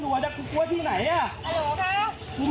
กลัวแล้วกูกลัวหรอก